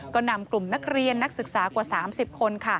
ก็นำกลุ่มนักเรียนนักศึกษากว่า๓๐คน